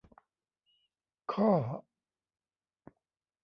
ข้อ